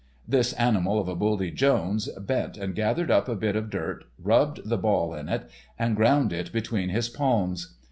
"This Animal of a Buldy Jones" bent and gathered up a bit of dirt, rubbed the ball in it, and ground it between his palms.